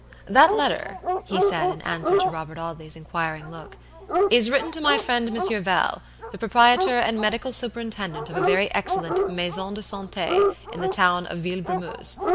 "That letter," he said, in answer to Robert Audley's inquiring look, "is written to my friend Monsieur Val, the proprietor and medical superintendent of a very excellent maison de santé in the town of Villebrumeuse.